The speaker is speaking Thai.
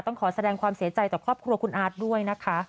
ต้องขอแสดงความเสียใจต่อครอบครัวคุณอาร์ตด้วยนะคะ